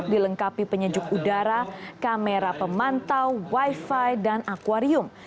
dilengkapi penyejuk udara kamera pemantau wifi dan akwarium